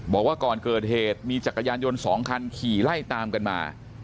บอกว่าก่อนเกิดเหตุมีจักรยานยนต์๒คันขี่ไล่ตามกันมา